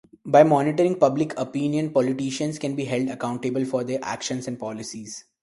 By monitoring public opinion, politicians can be held accountable for their actions and policies.